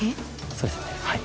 そうですねはい。